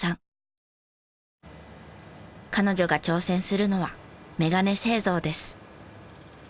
彼女が挑戦するのは眼鏡製造です。